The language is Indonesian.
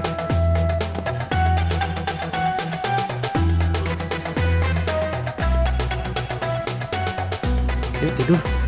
masa sebelum program engine